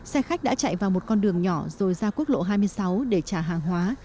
xe khách đã chạy vào một con đường nhỏ rồi ra quốc lộ hai mươi sáu để trả hàng hóa